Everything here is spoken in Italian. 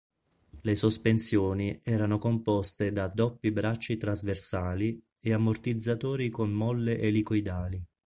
Le sospensioni erano composte da doppi bracci trasversali e ammortizzatori con molle elicoidali.